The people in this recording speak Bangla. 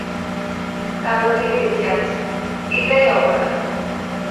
কালো হয়ে বেঁচে আছি, এটাই অপরাধ।